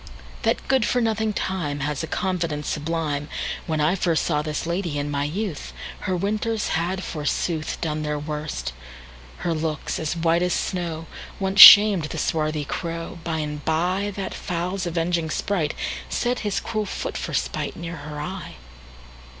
That good for nothing TimeHas a confidence sublime! When I firstSaw this lady, in my youth, Her winters had, forsooth, Done their worst. Her locks, as white as snow, Once sham'd the swarthy crow:By and byThat fowl's avenging spriteSet his cruel foot for spiteNear her eye.